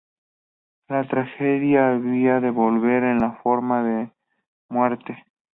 La tragedia había de volver en la forma de muerte.